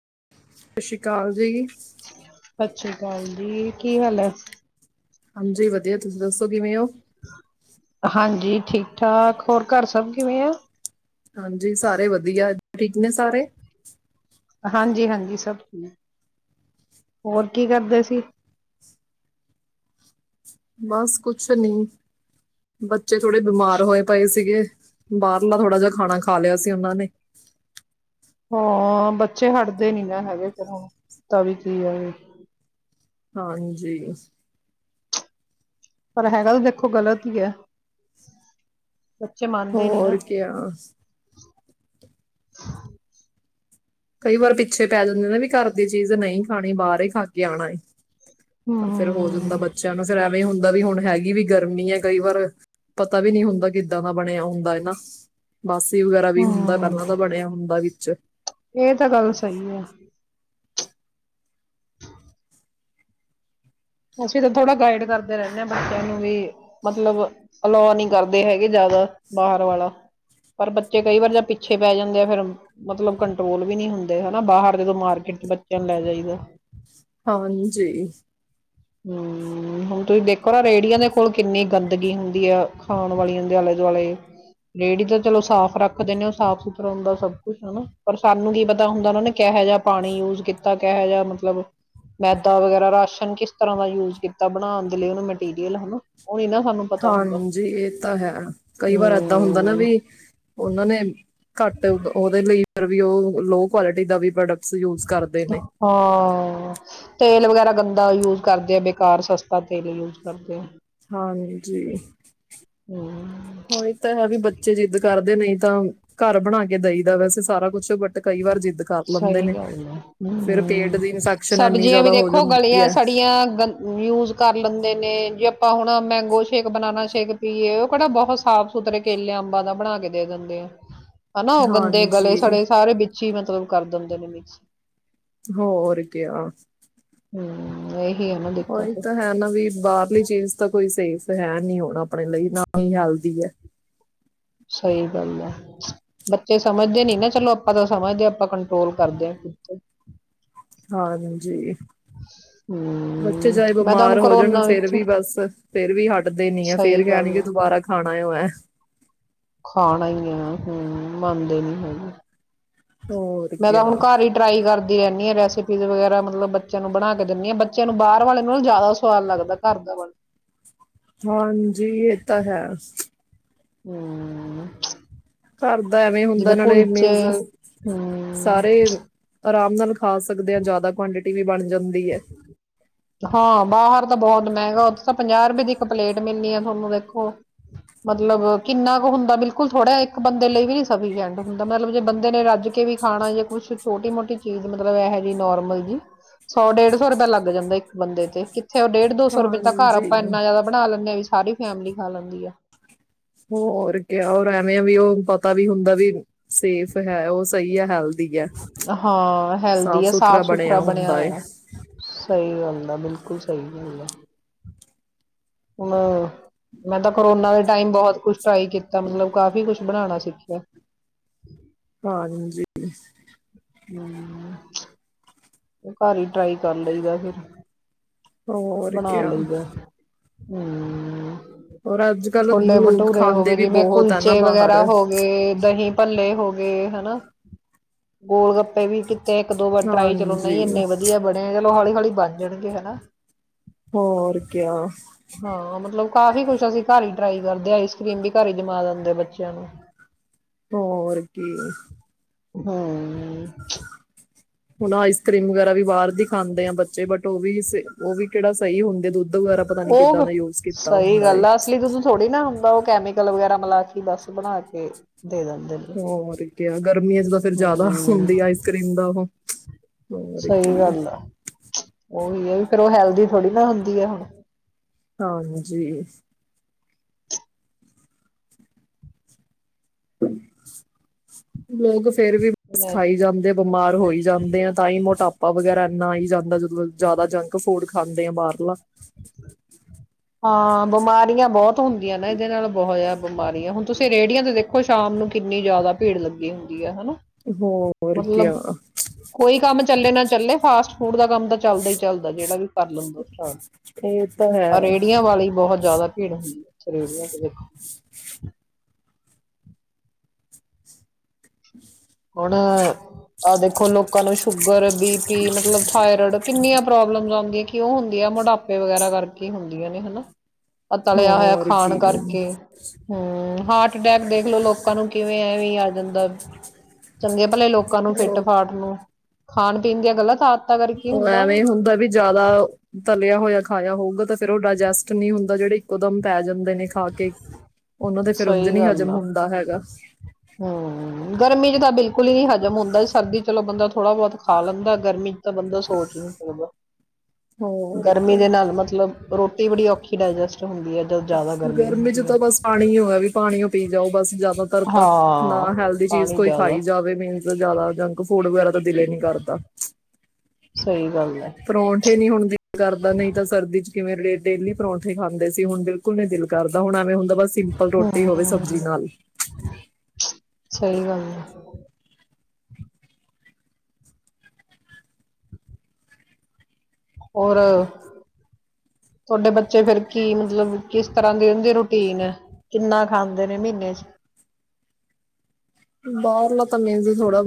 [unintelligible] ਸਤਿ੍ਰੀ ਅਕਾਲ ਜੀ ਸਤਿ ਸ਼੍ਰੀ ਅਕਾਲ ਜੀ ਕੀ ਹਾਲ ਹੈ ਹਾਂਜੀ ਵਧੀਆ ਤੁਸੀਂ ਦੱਸੋ ਕਿਵੇਂ ਹੋ ਹਾਂਜੀ ਠੀਕ ਠਾਕ ਹੋਰ ਘਰ ਸਭ ਕਿਵੇਂ ਆ ਹਾਂਜੀ ਸਾਰੇ ਵਧੀਆ ਠੀਕ ਨੇ ਸਾਰੇ ਹਾਂਜੀ ਹਾਂਜੀ ਸਭ ਠੀਕ ਹੋਰ ਕੀ ਕਰਦੇ ਸੀ ਬਸ ਕੁਛ ਨੀ ਬੱਚੇ ਥੋੜੇ ਬਿਮਾਰ ਹੋਏ ਪਏ ਸੀਗੇ ਬਾਹਰਲਾ ਥੋੜ੍ਹਾ ਜਿਹਾ ਖਾਣਾ ਖਾ ਲਿਆ ਸੀ ਉਹਨਾਂ ਨੇ ਹਾਂ ਬੱਚੇ ਹਟਦੇ ਨੀ ਨਾ ਹੈਗੇ ਫਿਰ ਹੁਣ ਤਾਂ ਵੀ ਕੀ ਆ ਹਾਂਜੀ ਪਰ ਹੈਗਾ ਵੀ ਦੇਖੋ ਗ਼ਲਤ ਹੀਈ ਹੈ ਬੱਚੇ ਮੰਨਦੇ ਨੀ ਨਾ। ਹੋਰ ਕ [inaudible] ਕਈ ਵਾਰ ਪਿੱਛੇ ਪੈ ਜਾਂਦੇ ਨਾ ਵੀ ਘਰ ਦੀ ਚੀਜ਼ ਨਹੀਂ ਖਾਣੀ ਬਾਹਰ ਖਾ ਕੇ ਆਉਣਾ ਤਾਂ ਫੇਿਰ ਹੋ ਜਾਂਦਾ ਹੂੰ ਬੱਚਿਆਂ ਨੂੰ ਫੇਿਰ ਐਵੇਂ ਹੁੰਦਾ ਵੀ ਹੁਣ ਹੈਗੀ ਵੀ ਗਰਮੀ ਹੈ ਕਈ ਵਾਰ ਪਤਾ ਵੀ ਨਹੀਂੀ ਹੁੰਦਾ ਕਿੱਦਾਂ ਦਾ ਬਣਿਆ ਹੁੰਦਾ ਹਨ ਨਾ ਬਾਸੀ ਵਗੈਰਾ ਵੀ ਹੁੰਦਾ ਪਾਂ ਹੂੰ ਤਾਂ ਬਣਿਆ ਹੁੰਦਾ ਵਿੱਚ ਇਹ ਤਾਂ ਗੱਲ ਸਹੀ ਹੈ। ਅਸੀਂ ਤਾਂ ਥੋੜਾ ਗਾਈਡ ਕਰਦੇ ਰਹਿੰਦੇ ਆਾਂ ਬੱਚਿਆਂ ਨੂੰ ਵੀ ਮਤਲਬ ਅਲਾ ਨੀ ਕਰਦੇ ਹੈਗੇ ਜਿਆਦਾ ਬਾਹਰ ਵਾਲਾ ਪਰ ਬੱਚੇ ਕਈ ਵਾਰ ਜਾ ਪਿੱਛੇ ਪੈ ਜਾਂਦੇ ਆ ਫਿਰ ਮਤਲਬ ਕੰਟਰੋਲ ਵੀ ਨੀ ਹੁੰਦੇ ਹਨਾ ਬਾਹਰ ਜਦੋਂ ਮਾਰਕੀਟ ਚ ਬੱਚਿਆਂ ਨੂੰ ਲੈ ਜਾਈਦਾ ਹਾਂਜੀ ਹਮ ਹੁਣ ਤੁਸੀਂ ਦੇਖੋ ਨਾ ਰੇਹੜੀਆਂ ਦੇ ਕੋਲ ਕਿੰਨੀ ਗੰਦਗੀ ਹੁੰਦੀ ਆ ਖਾਣ ਵਾਲੀਆਂ ਦੇ ਆਲੇ ਦੁਆਲੇ ਰੇਹੜੀ ਤਾਂ ਚਲੋ ਸਾਫ਼ ਰੱਖਦੇਦੇ ਹੋ ਸਾਫ ਸੁਥਰਾ ਹੁੰਦਾ ਸਭ ਕੁਛ ਹਨਾ ਪਰ ਸਾਨੂੰ ਕੀ ਪਤਾ ਹੁੰਦਾ ਉਹਨਾਂ ਨੇ ਕਿਹੋ ਜਿਹਾ ਪਾਣੀ ਯੂਜ ਕੀਤਾ ਕਿਹੋ ਜਿਹਾ ਮਤਲਬ ਮੈਦਾ ਵਗੈਰਾ ਰਾਸ਼ਨ ਕਿਸ ਤਰ੍ਹਾਂ ਦਾ ਯੂਜ ਕੀਤਾ ਬਣਾਉਣ ਦੇ ਲਈ ਉਹਨ ਮੈਟੀਰੀਅਲ ਹਨਾ ਉਹ ਨੀ ਨਾ ਸਾਨੂੰ ਪਤਾ ਹੁੰਦਾ ਹਾਂਜੀ ਇਹ ਤਾਂ ਹੈ ਕਈ ਵਾਰ ਏਦਾਂ ਹੁੰਦਾ ਨਾ ਹੂੰ ਵੀ ਉਹਨਾਂ ਨੇ ਘੱਟ ਉਹਦੇ ਲਈ ਵੀ ਉਹ ਲੋ ਕੁਆਲਿਟੀ ਦਾ ਵੀ ਪ੍ਰੋਡਕਟ [unintelligible] ਤੇਲ ਵਗੈਰਾ ਗੰਦਾ ਯੂਜ ਕਰਦੇ ਆ ਬੇਕਾਰ ਸਸਤਾ ਤੇਲ ਯੂਜ ਕਰਦੇ ਆ। ਹਾਂਜੀ ਹੂੰ। ਔਈ ਤਾਂ ਹੈ ਵੀ ਬੱਚੇ ਜਿੱਦ ਕਰਦੇ ਨਹੀਂ ਤਾਂ ਘਰ ਬਣਾ ਕੇ ਦਈ ਦਾ ਵੈਸੇ ਸਾਰਾ ਕੁਛ ਬਟ ਕਈ ਵਾਰ ਜਿੱ ਸਹੀ ਗੱਲ ਹੈ ਪੇਟ ਹਮ ਦੀ ਇਨਫੈਕਸ਼ਨ ਇੰਨੀ ਸਬਜ਼ੀਆਂ ਵੀ ਜ਼ਿਆਦਾ ਹੋ ਦੇਖੋ ਜਾਂਦੀ ਗਲੀਆਂ ਹੈ ਸੜੀਆਂ ਯੂਜ ਕਰ ਲੈਂਦੇ ਨੇ ਜੇ ਆਪਾਂ ਹੁਣ ਮੈਂਗੋ ਸ਼ੇਕ, ਬਨਾਨਾ ਸ਼ੇਕ ਪੀਏ ਉਹ ਕਿਹੜਾ ਬਹੁਤ ਸਾਫ਼ ਸੁਥਰੇ ਕੇਲੇ ਅੰਬਾਂ ਦਾ ਬਣਾ ਕੇ ਦੇ ਦਿੰਦੇ ਆ। ਹਨਾ ਉਹ ਗੰਦੇ ਗਲੇ ਹਾਂਜੀ ਸੜੇ ਸਾਰੇ ਵਿੱਚ ਜੀ ਮਤਲਬ ਕਰ ਦਿੰਦੇ ਨੇ ਮਿਕਸ। ਹੋਰ ਕਯਾ ਹਮ ਇਹ [unintelligible] ਉਹੀ ਤਾਂ ਹੈ ਨਾ ਵੀ ਬਾਹਰਲੀ ਚੀਜ਼ ਤਾਂ ਕੋਈ ਸੇਫ ਹੈ ਨੀ ਹੁਣ ਆਪਣੇ ਲਈ ਨਾ ਹੀ ਹੈਲਦੀ ਹੈ। ਸਹੀ ਗੱਲ ਹੈ ਬੱਚੇ ਸਮਝਦੇ ਨੀ ਨਾ ਚਲੋ ਆਪਾਂ ਤਾਂ ਸਮਝਦੇ ਆਪਾਂ ਕੰਟਰੋਲ ਕਰਦੇ ਹਾਂ। ਹਾਂਜੀ, ਬੱਚੇ ਹਮ ਚਾਹੇ ਮੈਂ ਤਾਂ ਹੁਣ ਬਿਮਾਰ ਹੋ ਜਾਣ ਕਰੋਨਾ ਫਿਰ ਵਿੱਚ ਵੀ ਬਸ ਫੇਰ ਵੀ ਹਟਦੇ ਨੀ ਆ ਸਹੀ ਫੇਰ ਕਹਿਣਗੇ ਗੱਲ ਕਿ ਆ ਦੁਬਾਰਾ ਖਾਣਾ ਐ ਮੈ। ਖਾਣਾ ਹੀ ਆ ਹਮ ਮੰਨਦੇ ਨੀ ਹੈਗੇ। ਹੋਰ ਮੈਂ ਤਾਂ ਹੁਣ ਕਿਆ ਘਰ ਹੀ ਟਰਾਈ ਕਰ ਰਹਿੰਦੀ ਹ ਰੈਸਿਪੀਜ਼ ਵਗੈਰਾ ਮਤਲਬ ਬੱਚਿਆਂ ਨੂੰ ਬਣਾ ਕੇ ਦਿੰਦੀ ਹਾਂ ਬੱਚਿਆਂ ਨੂੰ ਬਾਹਰ ਵਾਲੇ ਨੂੰ ਜ਼ਿਆਦਾ ਸਵਾਦ ਲੱਗਦਾ ਘਰ ਦਾ ਵਾ ਹਾਂਜੀ ਇਹ ਤਾਂ ਹੈ। ਹੂੰ ਘਰ ਦਾ ਐਵੇਂ ਹੁੰਦਾ ਨਾਲੇ ਮੀਨਸ ਹਮ ਸਾਰੇ ਆਰਾਮ ਨਾਲ ਖਾ ਸਕਦੇ ਹਾਂ ਜ਼ਿਆਦਾ ਕੁਆਂਟਿ ਵੀ ਬਣਦੀ ਹਾਂ ਬਾਹਰ ਤਾਂ ਬਹੁਤ ਮਹਿੰਗਾ ਉੱਥੇ ਤਾਂ ਪੰਜਾਹ ਰੁਪਏ ਦੀ ਇੱਕ ਪਲੇਟ ਮਿਲਣੀ ਆ ਤੁਹਾਨੂੰ ਵੇਖੋ ਮਤਲਬ ਕਿੰਨਾ ਕੁ ਹੁੰਦਾ ਬਿਲਕੁਲ ਥੋੜ੍ਹਾ ਇੱਕ ਬੰਦੇ ਲਈ ਵੀ ਨੀ ਸਫੀਸ਼ਟ ਹੁੰਦਾ, ਮਤਲਬ ਜੇ ਬੰਦੇ ਨੇ ਰੱਜ ਕੇ ਵੀ ਖਾਣਾ ਜੇ ਕੁਛ ਛੋਟੀ ਮੋਟੀ ਚੀਜ਼ ਮਤਲਬ ਇਹੋ ਜਿਹੀ ਨੋਰਮਲ ਜੀ। ਸੌ ਡੇਢ ਸੌ ਰੁਪਇਆ ਲੱਗ ਜਾਂਦਾ ਇੱਕ ਬੰਦੇ ਤੇ। ਫਿਰ ਉਹ ਡੇਢ ਦੋ ਸੌ ਰੁਏ ਘ ਹਾਂਜੀ ਆਪਾਂ ਇੰਨਾ ਜ਼ਿਆਦਾ ਬਣਾ ਲੈਂਦੇ ਹਾਂ ਵੀ ਸਾਰੀ ਫੈਮਿਲੀ ਖਾ ਲੈਂਦੀ ਆ। ਹੋਰ ਕਯਾ, ਹੋਰ ਐਵੇਂ ਵੀ ਉਹ ਪਤਾ ਵੀ ਹੁੰਦਾ ਵੀ ਸੇਫ ਹੈ ਉਹ ਸਹੀ ਹੈ ਹੈਲਥ ਹਾਂ ਹੈਲਦੀ ਆ ਸਾਫ ਸੁਥਰਾ ਬਣਿਆ ਹੋਇਆ ਸਹੀ ਗੱਲ ਆ ਬਿਲਕੁਲ। ਬਿਲਕੁਲ ਸਹੀ ਗਲ ਐ। ਮੈਂ, ਤਾਂ ਕਰੋਨਾ ਦੇ ਟਾਈਮ ਬਹੁਤ ਕੁਛ ਟਰਾਈ ਕੀਤਾ ਮਤਲਬ ਕਾਫੀ ਕੁਛ ਬਣਾਣਾ ਸਿੱਖਿਆ ਏ‌। ਹਾਂਜੀ। ਹੂੰ ਉਹ ਘਰ ਹੀ ਟਰਾਈ ਕਰ ਲਈਦਾ ਫਿਰ, ਹੋਰ ਕਿਆ, ਹੂੰ ਔਰ ਅੱਜ ਕੱਲ ਛੋਲੇ ਲੋਕ ਭਟੂਰੇ ਹੋ ਖਾਂਦੇ ਗਏ, ਵੀ ਜਿਵੇਂ ਬਹੁਤ ਆ ਨਾ ਕੁਲਚੇ ਵਗੈਰਾ ਬਾਹਰ ਹੋ ਗਏ, ਦਹੀਂ ਭੱਲੇ ਹੋ ਗ ਹੈਨਾ, ਗੋਲ ਗੱਪੇ ਵੀ ਤੇ ਇੱਕ ਦੋ ਵਾਰ ਟਰਾਈ ਨਹੀਂ, ਹਾਂਜੀ ਇੰਨੇ ਵਧੀਆ ਬਣੇਆ ਲੋ ਹੌਲੀ- ਹੌਲੀ ਬਣ ਜਾਣਗੇ ਹਨਾ। ਹੋਰ ਕਿਯਾ, ਹਾਂ ਮਤਲਬ ਕਾਫੀ ਕੁਛ ਅਸੀਂ ਘਰ ਹੀ ਟਰਾਈ ਕਰਦੇ ਹਾ, ਆਈਸ- ਕ੍ਰੀਮ ਵੀ ਘਰ ਹੀ ਜਮਾ ਦਿੰਦੇ ਬੱਚਿਆਂ ਨੂੰ। ਹੋਰ ਕੀ ਏ‌। ਹੂੰ ਹੁਣ ਆਈਸ ਕਰ੍ਰੀਮ ਵਗੈਰਾ ਵੀ ਬਾਹਰ ਦੀ ਖਾਂਦੇ ਆ ਬੱਚੇ, ਬਟ ਉਹ ਵੀ, ਉਹ ਵੀ ਕਿਹੜਾ ਸਹੀ ਹੁੰਦੇ ਦੁ ਉਹ ਸਹੀ ਏ ਗੱਲ ਆ ਅਸਲੀ ਦੂਧ ਥੋੜ੍ਹੀ ਨਾ ਹੁੰਦਾ ਉਹ। ਕੈਮੀਕਲ ਵਗੈਰਾ ਮਿਲਾ ਕੇ ਬੱਸ ਬਣਾ ਕੇ ਦੇ ਦਿੰਦੇ ਨੇ ਹੋਰ ਕਿਆ, ਗਰਮੀਆਂ ਚ ਤਾਂ ਫਿਰ ਜ਼ਿਆਦਾ ਹੁੰਦੀ ਹਮ ਆਈਸ- ਕ੍ਰੀਮ ਦਾ ਉਹ ਹੋਰ ਸਹੀ ਕੀ ਗੱਲ ਆ, ਓ, ਵੀ ਫੇਰ, ਉਹ ਹੈਲਦੀ ਥੋੜ੍ਹੀ ਨਾ ਹੁੰਦੀ ਹੈ ਹੁਣ ਹਾਂਜੀ। ਲੋਗ ਫੇਰ ਵੀ ਬਸ ਲੈ ਖਾਈ ਜਾਂਦੇ, ਬਿਮਾਰ ਹੋਈ ਜਾਂਦੇ ਆ ਤਾਂ, ਹੀ ਮੋਟਾ ਪਾ ਵਗ਼ੈਰਾ ਇੰਨਾ ਆਈ ਜਾਂਦਾ, ਜਦੋਂ ਜ਼ਿਆਦਾ ਜੰਕ ਫੂਡ ਖਾਂਦੇ ਆ ਬਾਹਰਲਾ। ਹਾਂ, ਬਿਮਾਰੀਆਂ ਬਹੁਤ ਹੁੰਦੀਆਂ ਨੇ, ਇਹਦੇ ਨਾਲ ਬਹੁਤ ਜਾਦਾ ਬਿਮਾਰੀਆਂ ਹੁਣ ਤੁਸੀਂ ਰੇਹੜੀਆਂ ਤੇ ਦੇਖੋ, ਸ਼ਾਮ ਨੂੰ ਕਿੰਨੀ ਜ਼ਿਆਦਾ ਭੀੜ ਲੱਗੀ ਹੁੰਦੀ ਹੈ। ਹਨਾ ਹੋਰ ਕਿਆ ਮਤਲਬ ਕੋਈ ਕੰਮ ਚੱਲੇ ਨਾ ਚੱਲੇ, ਫਾਸਟ ਫੂਡ ਦਾ ਕੰਮ ਤਾਂ ਚੱਲਦਾ ਈ ਚੱਲਦਾ ਜਿਹੜਾ ਵੀ ਕਰ ਲੈਂਦਾ ਸਟਾਰਟ ਇਹ ਤਾ ਹੈ, ਰੇਹੜੀਆਂ ਵਾਲੀ ਬਹੁਤ ਜ਼ਿਆਦਾ ਭੀੜ ਹੁੰਦੀ ਹੈ। ਰੇੜੀਆਂ ਤੇ ਵੇਖੋ, ਹੁਣ ਆਹ ਦੇਖੋ ਲੋਕਾਂ ਨੂੰ ਸ਼ੁ ਗਰ, ਬੀ ਪੀ, ਮਤਲਬ ਥਾਈਰਡ ਕਿੰਨੀਆਂ ਪ੍ਰੋਬਲਮਸ ਆਉਦੀਆਂ। ਕਿਉਂ ਹੁੰਦੀਆ ਮੋਟਾਪੇ ਵਗੈਰਾ ਕਰਕੇ ਹੁੰਦੀਆਂ ਨੇ ਹਨਾ। ਅਦਾ ਲਿਆ ਹੋਇਆ ਹੋਰ ਖਾਣ ਕੀ ਕਰਕੇ। ਹੂੰ ਹਟ ਹਾਰਟਅਟੈਕ ਦੇਖਲ ਲੋ ਲੋਕਾਂ ਨੂੰ ਕਿਵੇਂ ਐਵੇਂ ਅ ਬੰਦਾ ਚੰਗੇ ਭਲੇ ਲੋਕਾਂ ਨੂੰ ਫਿੱਟ ਫਾਟ ਨੂੰ। ਖਾਣ ਪੀਣ ਦੀਆਂ ਗਲਤ ਆ ਉਹ ਐਵੇਂ ਹੀ ਹੁੰਦਾ ਵੀ ਜ਼ਿਆਦਾ ਧ ਪਆ ਹੋਇਆ ਖਾਇਆ ਹੋਊਗਾ ਤਾਂ ਫੇਰ ਉਹ ਡਾਇਜੈਸਟ ਨਹੀਂ ਹੁੰਦਾ ਜਿਹੜੇ ਇੱਕੋਦਮ ਪੈ ਜਾਂਦੇ ਨੇ ਖਾ ਕੇ ਉਹਨਾਂ ਦੇ ਫੇਰ ਉਂਝ ਨ ਹਜ਼ਮ ਹੁੰਦਾ ਹੈਗਾ। ਹਂ ਗਰਮੀ ਚ ਤਾਂ ਬਿਲ ਕੁਲ ਹੀ ਨੀ ਹਜ਼ਮ ਹੁੰਦਾ ਸਰਦੀ ਚਲੋ ਬੰਦਾ ਥੋੜਾ ਬਹੁਤ ਖਾ ਲੈਂਦਾ ਗਰਮੀ ਚ ਤਾਂ ਬੰਦਾ ਸੋਚ ਹੀ ਨੀ ਸਕਦਾ। ਹੋਰ ਗਰਮੀ ਕਿਆ ਦੇ ਨਾਲ ਮਤਲਬ ਰੋਟੀ ਬੜੀ ਔਖੀ ਡਾਇਜੈਸਟ ਹੁੰਦੀ ਹੈ ਜਦ ਜ਼ਿਆਦਾ ਗਰਮੀ ਚ ਹੁੰਦੀ ਹੈ ਤਾਂ ਬਸ ਪਾਣੀ ਹੋਆ ਵੀ ਪਾਣੀ ਓ ਪੀ ਜਾਓ ਬਸ ਜ ਤਰਤਾ ਨਾ ਹਾਂ ਹੈਲਦੀ ਚੀਜ਼ ਪਾਣੀ ਕੋਈ ਜ਼ਿਆਦਾ ਖਾਈ ਜਾਵੇ ਮੀਨਸ ਜ਼ਿਆਦਾ ਜੰਕ ਫੂਡ ਵਗੈਰਾ ਤਾਂ ਦਿਲ ਹੀ ਨੀ ਕਰਦਾ ਸਹੀ ਗੱਲ ਹੈ ਪਰੌਠੇ ਨੀ ਹੁਣ ਦਿਲ ਕਰਦਾ ਨਹੀਂ ਤਾਂ ਸਰਦੀ ਚ ਕਿਵੇਂ ਲੇ ਡੇਲੀ ਪਰੌਂਠੇ ਖਾਂਦੇ ਸੀ। ਹੁੰਦੇ। ਬਿਲਕੁਲ ਨਹੀਂ ਦਿਲ ਕਰਦਾ ਹੁਣ ਐਵੇਂ ਹੁੰਦਾ। ਬਸ ਸਿੰਪਲ ਰੋਟੀ ਹੋਵੇ ਹਮ ਸਬਜ਼ੀ ਨਾਲ। ਸਹੀ ਗੱਲ ਆ। ਹੋਰ ਤੁਹਾਡੇ ਬੱਚੇ ਫਿਰ ਕੀ ਮਤਲਬ ਕਿਸ ਤਰ੍ਹਾਂ ਦੀ ਉਹਦੀ ਰੂਟੀਨ ਏ ਕਿੰਨਾ ਖਾਂਦੇ ਨੇ ਮਹੀਨੇ ਚ। ਬਾਹਰਲਾ ਤਾਂ ਮੇਨਜ਼ ਥੋੜਾ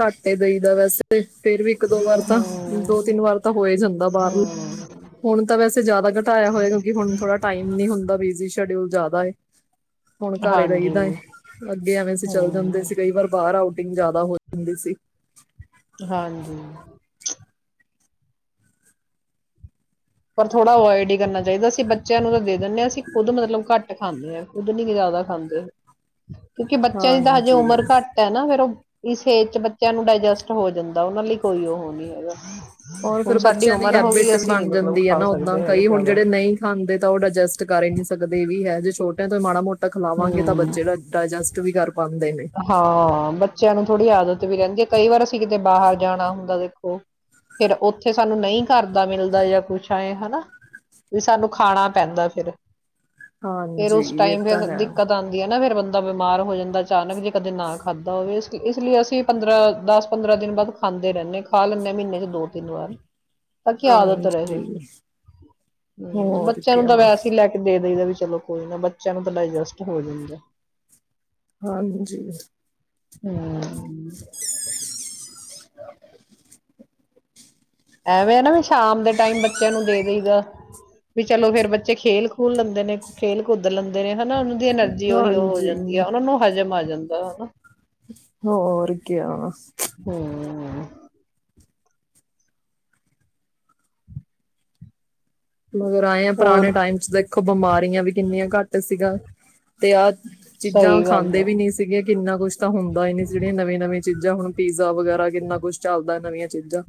ਘੱਟ ਇਹਦਾ ਹੀਦਾ ਵੈਸੇ। ਫੇਰ ਵੀ ਇੱਕ ਦੋ ਵਾਰ ਤਾਂ ਹਮ ਦੋ ਤਿੰਨ ਵਾਰ ਤਾਂ ਹੋ ਹੀ ਜਾਂਦਾ ਬਾਹਰਲ ਹਮ ਹੁਣ ਤਾਂ ਵੈਸੇ ਜਿਆਦਾ ਘਟਾਇਆ ਹੋਇਆ ਕਿਉਂਕਿ ਹੁਣ ਥੋੜਾ ਟਾਈਮ ਨੀ ਹੁੰਦਾ ਬਿਜੀ ਸ਼ਡਿਊਲ ਜ਼ਿਆਦਾ ਬਾਏ ਹੁਣ ਘਰ ਈ ਰਹੀਦਾ ਏ ਹਾਂਜੀ ਅੱਗੇ ਐਵੇਂ ਸੀ। ਚੱਲ ਹਮ ਜਾਂਦੇ ਸੀ ਕਈ ਵਾਰ ਬਾਹਰ ਆਊਟਿੰਗ ਜ਼ਿਆਦਾ ਹੋ ਜਾਂਦੀ ਸੀ। ਹਾਂਜੀ ਪਰ ਥੋੜ੍ਹਾ ਅਵੋਇਡ ਹੀ ਕਰਨਾ ਚਾਹੀਦਾ ਅਸੀਂ ਬੱਚਿਆਂ ਨੂੰ ਤਾਂ ਦੇ ਦਿੰਦੇ ਹਾਂ ਅਸੀਂ ਖੁੱਦ ਮਤਲਬ ਘੱਟ ਖਾਨੇ ਹਾਂ ਖੁਦ ਨੀ ਜ਼ਿਆਦਾ ਖਾਂਦੇ। ਕਿਉਂਕਿ ਬੱਚਿਆਂ ਦੀ ਤਾਂ ਹਜੇ ਹਾਂਜੀ ਉਮਰ ਘੱਟ ਹੈ ਨਾ ਫੇਰ ਉਹ ਇਸ ਏਜ ਚ ਬੱਚਿਆਂ ਨੂੰ ਡਾਇਜਸਟ ਹੋ ਜਾਂਦਾ ਉਹਨਾਂ ਲਈ ਕੋਈ ਉਹ ਨਹੀਂ ਹੈਗਾ। ਹੋਰ ਫੇਰ ਹੁਣ ਸਾਡੀ ਬੱਚਿਆਂ ਦੀ ਉਮਰ ਹੋ ਹੈਬਿਟ ਗਈ ਵੀ ਅਸੀਂ ਨੀ ਬਣ ਮਤਲਬ ਜਾਂਦੀ। ਹੈ ਖਾ ਨਾ ਓਦਾਂ ਸਕਦੇ ਹੈਗੇ ਕਈ ਹੁਣ ਜ਼ਿਆਦਾ ਜਿਹੜੇ ਨਹੀਂ ਖਾਂਦੇ ਤਾਂ ਉਹ ਡਾਇਜਸਟ ਕਰ ਹੀ ਨੀ ਸਕਦੇ ਏ ਵੀ ਹੈ। ਛੋਟਿਆਂ ਤੋਂ ਮਾੜਾ ਮੋ ਖਲਾਵਾਂਗੇ ਤਾਂ ਹਮ ਬੱਚੇ ਦਾ ਡਾਇਜੈਸ ਵੀ ਕਰ ਪਾਉਂਦੇ ਨੇ ਹਾਂ ਬੱਚਿਆਂ ਨੂੰ ਥੋੜ੍ਹੀ ਆਦਤ ਵੀ ਰਹਿੰਦੇ ਆ ਕਈ ਵਾਰ ਅਸੀਂ ਕਿਤੇ ਬਾਹਰ ਜਾਣਾ ਹੁੰਦਾ ਦੇਖੋ ਫਿਰ ਉਥੇ ਸਾਨੂੰ ਨਹੀਂ ਘਰਦਾ ਮਿਲਦਾ ਜਾਂ ਕੁਛ ਐਏ ਹਨਾ ਵੀ ਸਾਨੂੰ ਖਾਣਾ ਪੈਂਦਾ ਫਿਰ। ਫਿਰ ਹਾਂਜੀ ਉਸ ਇਹ ਟਾਈਮ ਤਾਂ ਫਿਰ ਹੈ ਦਿੱਕਤ ਆਉਂਦੀ ਹੈ, ਨਾ ਫੇਿਰ ਬੰਦਾ ਜਿਦਾ ਬਿਮਾਰ ਹੋ ਜਾਂਦਾ ਅਚਾਨਕ ਜੇ ਕਦੇ ਨਾ ਖਾਧਾ ਹੋਵੇ, ਇਸ ਲਈ ਅਸੀਂ ਪੰਦਰਾਂ ਦਸ ਪੰਦਰਾਂ ਦਿਨ ਬਾਅਦ ਖਾਂਦੇ ਰਹਿੰਦੇ ਖਾ ਲੈਂਦੇ ਹਾਂ, ਮਹੀਨੇ ਚ ਦੋ ਤਿੰਨ ਵਾਰ ਤਾਂ ਕੀ ਆਦਤ ਰਹੇ ਹਾਂਜੀ ਹੂੰ ਹੋਰ ਬੱਚਿਆਂ ਨੂੰ ਕਿਆ ਤਾਂ ਵੈਸੇ ਹੀ ਲੈ ਕੇ ਦੇ ਦੇਈਦਾ ਚਲੋ ਕੋਈ ਨਾ ਬੱਚਿਆਂ ਨੂੰ, ਤਾਂ ਡਾਇਜਸਟ ਹੋ ਜਾਂਦਾ। ਹਾਂਜੀ ਹੂੰ [unintelligible] ਐਵੇਂ ਹੈ ਨਾ ਸ਼ਾਮ ਦੇ ਟਾਈਮ ਬੱਚਿਆਂ ਨੂੰ ਦੇ ਦੇਈਦਾ। ਫਿਰ ਚਲੋ ਫੇਰ ਬੱਚੇ ਖੇਲ ਖੂਲ ਲੈਂਦੇ ਨੇ ਖੇਲ ਕੁਦ ਲੈਂਦੇ ਨੇ ਹਨਾ। ਉਹਨਾਂ ਦੀ ਐਨਰਜੀ ਉਹੀ ਉਹ ਹੋ ਹਾਂਜੀ ਜਾਂਦੀ ਹੈ। ਉਹਨਾਂ ਨੂੰ ਹਜ਼ਮ ਆ ਜਾਂਦਾ ਆ ਹੋਰ ਕੀ ਕਿਆ ਹੁੰ ਮਗਰ ਆਏ ਆ ਪੁਰਾਣੇ ਹੋਰ ਟਾਈਮ ਚ ਦੇਖੋ, ਬਿਮਾਰੀਆਂ ਵੀ ਕਿੰਨੀਆਂ ਘੱਟ ਸੀਗਾ, ਤੇ ਆਹ ਸਹੀ ਚੀਜ਼ਾਂ ਗੱਲ ਖਾਂਦੇ ਆ ਵੀ ਨੀ ਸੀਗੇ, ਕਿੰਨਾ ਕੁੱਛ ਤਾਂ ਹੁੰਦਾ ਨਹੀਂ ਸੀ। ਜਿਹੜੀਆਂ ਨਵੇ ਨਵੇ ਚੀਜ਼ਾਂ ਹੁਣ ਪੀਜ਼ਾ ਵਗੈਰਾ, ਕਿੰਨਾ ਕੁੱਝ ਚੱਲਦਾ ਨਵੀਆਂ ਚੀਜ਼ਾਂ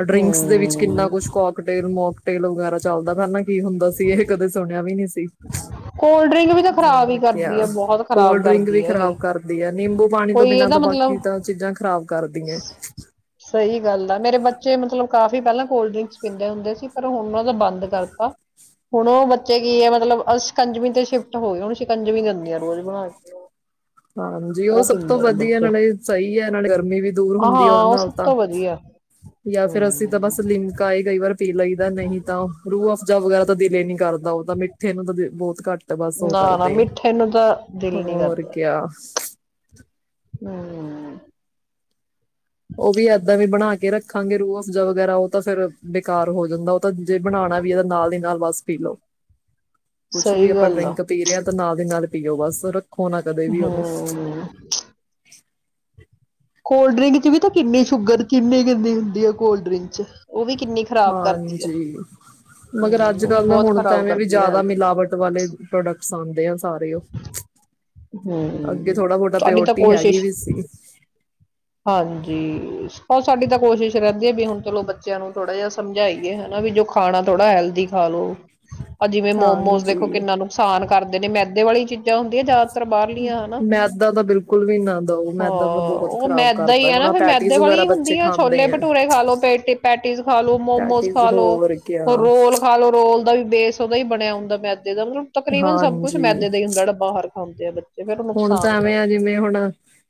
ਅ ਡਰਿੰਕਸ ਦੇ ਵਿੱਚ ਕਿੰਨਾ ਹਮ ਕੁਛ ਕੋਕਟੇਲ ਮੋਕ ਤੇਲ ਵਗੈਰਾ ਚੱਲਦਾ ਪਹਿਲਾਂ ਕੀ ਹੁੰਦਾ ਸੀ। ਇਹ ਕਦੇ ਸੁਣਿਆ ਵੀ ਨਹੀਂ ਸੀ। ਕੋਲਡ ਡਰਿੰਕ ਵੀ ਤਾਂ ਖ਼ਰਾਬ ਹੀ ਹੋਰ ਕਰਦੀ ਕਿਆ ਹੈ ਬਹੁਤ ਖ਼ਰਾਬ ਕੋਲਡ ਡਰਿੰਕ ਵੀ ਕਰਦੀ ਹੈ ਇਹ ਖ਼ਰਾਬ ਕਰਦੀ ਹੈ ਨਿੰਬੂ ਪਾਣੀ ਤੋਂ, ਕੋਈ ਬਿਨਾ ਇਹਦਾ ਤਾਂ ਮਤਲਬ ਬਾਕੀ ਤਾਂ ਚੀਜ਼ਾਂ ਖ਼ਰਾਬ ਕਰਦੀਏ ਸਹੀ ਗੱਲ ਮੇਰੇ ਬੱਚੇ ਮਤਲਬ ਕਾਫੀ ਪਹਿਲਾਂ ਕੋਲਡ ਡਰਿੰਕਸ ਪੀਂਦੇ ਹੁੰਦੇ ਸੀ। ਪਰ ਹੁਣ ਉਹ ਦਾ ਬੰਦ ਕਰਤਾ ਹੁਣ ਉਹ ਬੱਚੇ ਕੀ ਹੈ। ਮਤਲਬ ਸ਼ਿਕੰਜਵੀ ਤੇ ਸ਼ਿਫਟ ਹੋ ਗਏ, ਹੁਣ ਸ਼ਿਕੰਜਵੀਂ ਦਿੰਦੀ ਆ ਰੋਜ਼ ਬਣਾ ਕੇ ਹਾਂਜੀ, ਉਹ ਸਭ ਤੋਂ ਪੀਂਦੇ ਨੇ ਵਧੀਆ ਬੱਚੇ ਨਾਲੇ ਸਹੀ ਹੈ ਨਾਲੇ ਗਰਮੀ ਵੀ ਦੂਰ ਹਾਂ, ਹੁੰਦੀ ਹੈ ਹਾਂ ਉਹਦੇ ਉਹ ਨਾਲ ਸਭ ਤਾਂ ਤੋਂ ਵਧੀਆ ਜਾਂ ਫਿਰ ਅਸੀਂ ਤਾਂ ਹਮ ਬਸ ਲਿੰਮਕਾਏ ਕਈ ਵਾਰ ਪੀ ਲਈਦਾ ਨਹੀਂ, ਤਾਂ ਰੂਹ ਅਫਜ਼ਾ ਵਗੈਰਾ ਤਾਂ ਦਿਲ ਹੀ ਨਹੀਂ ਕਰਦਾ। ਉਹ ਤਾਂ ਮਿੱਠੇ ਨੂੰ ਤਾਂ ਬਹੁਤ ਘੱਟ ਬਸ ਉਹ ਨਾ ਨਾ ਕਰਦੇ ਆ ਮਿੱਠੇ ਨੂੰ ਤਾਂ ਦਿਲ ਨਈ ਹੋਰ ਕਰਦਾ ਕਿਆ ਹਮ ਉਹ ਵੀ ਏਦਾਂ ਵੀ ਬਣਾ ਕੇ ਰੱਖਾਂਗੇ, ਰੂਹ ਅਫਜ਼ਾ ਵਗੈਰਾ ਉਹ ਤਾਂ ਫੇਿਰ ਬੇਕਾਰ ਹੋ ਜਾਂਦਾ। ਤਾ ਜੇ ਬਣਾਉਣਾ ਵੀ ਏ ਨਾਲ ਦੀ ਨਾਲ ਬਸ ਪੀਲੋ ਕੁਛ ਵੀ ਸਹੀ ਆਪਾਂ ਗੱਲ ਆ ਡਰਿੰਕ ਪੀ ਰਹੇ, ਹਾਂ ਤਾਂ ਨਾਲ ਦੀ ਨਾਲ ਇਹੋ ਬਸ ਰਤ ਖੋਣਾ ਕਦੇ ਵੀ ਉਹਨੂੰ ਹਮ ਕੋਲਡ ਡਰਿੰਕ ਚ ਵੀ ਤਾਂ ਕਿੰਨੀ ਸ਼ੂਗਰ ਕਿੰਨੀ ਕਿੰਨੀਗੰਦੀ ਹੁੰਦੀ ਆ, ਕੋਲਡ ਡਰਿੰਕ ਚ ਉਹ ਵੀ ਕਿੰਨੀ ਖ਼ਰਾਬ ਕਰਦੀ ਹੈ। ਹਾਂਜੀ ਮਗਰ ਹਮ ਅੱਜ ਉਹ ਵੀ ਕੱਲ ਨਾ ਬਹੁਤ ਹੁਣ ਤਾਂ ਖ਼ਰਾਬ ਐਵੇਂ ਵੀ ਕਰਦੀ ਹੈ ਜ਼ਿਆਦਾ ਹੈਲਥ ਨੂੰ। ਮਿਲਾਵਟ ਵਾਲੇ ਪ੍ਰੋਡਕਟਸ ਸਨ [unintelligible] ਸਾਰੇ ਉਹ ਅੱਗੇ ਹਮ। ਥੋੜਾ ਬੋਟਾ ਤੁਹਾਡੀ ਤਾਂ ਪਿਓਰਟੀ ਹੈਗੀ ਕੋਸ਼ਿਸ਼ ਵੀ ਸੀ ਹਾਂਜੀ ਬਹੁਤ ਸਾਡੀ ਤਾਂ ਕੋਸ਼ਿਸ਼ ਰਹਿੰਦੀ ਹੈ ਵੀ ਹੁਣ ਚਲੋ ਬੱਚਿਆਂ ਨੂੰ ਥੋੜ੍ਹਾ ਜਿਹਾ ਸਮਝਾਈਏ ਹਨਾ ਵੀ ਜੋ ਖਾਣਾ ਥੋੜ੍ਹਾ ਹੈਲਦੀ ਖਾ ਲੋ ਪਰ ਜਿਵੇਂ ਮੋਮੋਸ ਦੇਖੋ ਹਾਂਜੀ ਕਿੰਨਾ ਨੁਕਸਾਨ ਕਰਦੇ ਨੇ ਮੈਦੇ ਵਾਲੀ ਚੀਜ਼ਾਂ ਹੁੰਦੀਆਂ ਜ਼ਿਆਦਾ ਮੈਦਾ ਤਾਂ ਬਿਲਕੁਲ ਵੀ ਨਾ ਦਓ ਹਾਂ ਮੈਦਾ ਤਾਂ ਬਹੁਤ ਉਹ ਖ਼ਰਾਬ ਮੈਦਾ ਹੀ ਕਰਦਾ ਆ ਹੁਣ ਨਾ ਆਹ ਫਿਰ ਮੈਦੇ ਪੈਟੀਜ਼ ਵਾਲੀ ਵਗੈਰਾ ਹੀ ਬੱਚੇ ਹੁੰਦੀ ਆ ਛੋਲੇ ਖਾਂਦੇ ਭਟੂਰੇ ਖਾ ਲੋ ਪ ਪੈਟੀਸ ਖਾ ਲ ਲੋ ਮੋਮੋਸ ਪੈਟੀਜ਼ ਖਾ ਲੋ ਹੋਰ ਕਿਆ ਰੋਲ ਖਾ ਲੋ ਰੋਲ ਦਾ ਵੀ ਬੇਸ ਉਹਦਾ ਹੀ ਬਣਿਆ ਹੁੰਦਾ [unintelligible] ਦਾ ਮਤਲਬ ਤਕਰੀਬਨ ਸਭ ਕੁਛ ਹਾਂਜੀ ਮੈਦੇ ਦਾ ਹੀੁੰਦਾ ਜਿਹੜ ਬਾਹਰ ਖਾਂਦੇ ਆ ਬ ਹੁਣ ਤਾਂ ਐਵੇਂ ਆ ਜਿਵੇਂ ਹੁਣ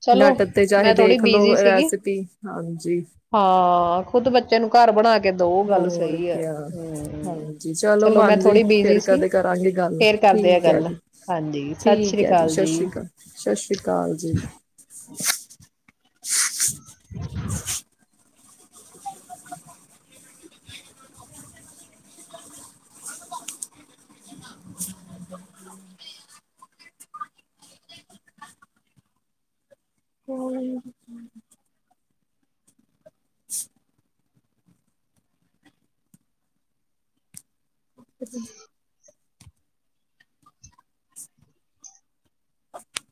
ਚਲੋ ਡੱਟ ਤੇ ਚਾਹੇ ਮੈਂ ਥੋੜ੍ਹੀ ਦੇਖ ਬਿਜੀੀ ਲਓ ਸੀਗੀ ਰੈਸਪੀ ਹਾਂਜੀ ਹਾਂ ਖੁਦ ਬੱਚੇ ਨੂੰ ਘਰ ਬਣਾ ਕੇ ਦੋ ਗੱਲ ਹੋਰ ਸਹੀ ਹੈ ਕ ਹਮ ਹਾਂਜੀ ਚਲੋ ਮੈਂ ਹਾਂਜੀ ਥੋੜ੍ਹੀ ਫਿਰ ਬਿਜੀ ਸੀ ਕਦੇ ਕਰਾਂਗੇ ਗੱਲ ਫੇਰ ਕਰਦੇ ਆ ਠੀਕ ਹੈ ਗੱਲ ਜੀ ਹਾਂਜੀ ਸਤਿ ਠੀਕ ਸ੍ਰੀ ਹੈ ਜੀ ਅਕਾਲ ਸਤਿ ਸ੍ਰੀ ਅਕਾਲ ਸਤਿ ਸ਼੍ਰੀ ਅਕਾਲ ਜੀ [inaudible] [inaudible]